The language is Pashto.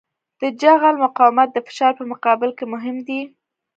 د جغل مقاومت د فشار په مقابل کې مهم دی